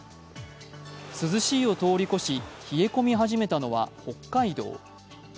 涼しいを通り越し冷え込み始めたのは北海道。